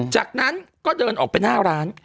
จากนั้นก็เดินออกไปหน้าร้าน